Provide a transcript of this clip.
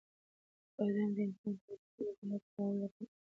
بادام د انسان په وجود کې د عضلاتو د رغولو لپاره اړین دي.